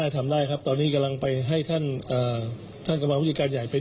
ตรงกันครั้งค่ะ